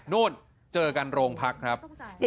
โน้นเจอกันโรงพักษ์ครับ